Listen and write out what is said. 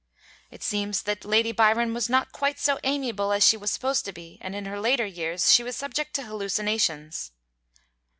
It seems that Lady Byron was not quite so amiable as she was supposed to be, and in her later years she was subject to hallucinations.